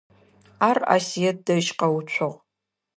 Ар Асыет дэжь къэуцугъ.